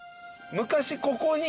昔ここに。